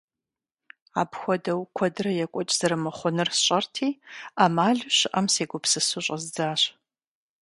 Апхуэдэу куэдрэ екӀуэкӀ зэрымыхъунур сщӀэрти, Ӏэмалу щыӀэм сегупсысу щӀэздзащ.